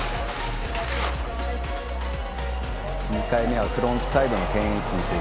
２回目はフロントサイドの１０８０。